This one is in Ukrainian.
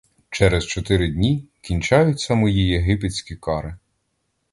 Через чотири дні кінчаються мої єгипетські кари.